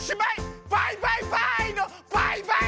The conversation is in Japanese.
バイバイバイのバイバイ！